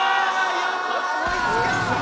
やっぱこいつか！